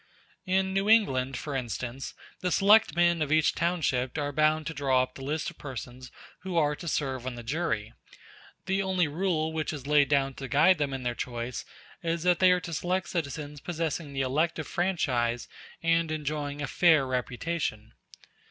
In New England, for instance, the selectmen of each township are bound to draw up the list of persons who are to serve on the jury; the only rule which is laid down to guide them in their choice is that they are to select citizens possessing the elective franchise and enjoying a fair reputation.